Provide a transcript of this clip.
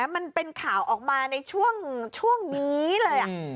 มันเป็นข่าวออกมาในช่วงนี้เลย